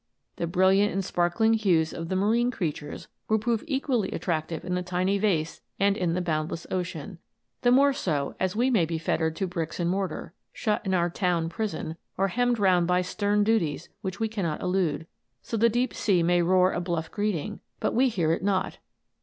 The brilliant and sparkling hues of the marine creatures will prove equally attractive in the tiny vase and in the boundless ocean, the more so as we may be fettered to bricks and mortar, shut in our town prison, or hemmed round by stern duties which we cannot elude ; so the deep sea may roar a bluff greeting, but we hear it not